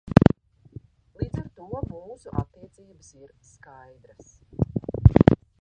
Līdz ar to mūsu attiecības ir skaidras.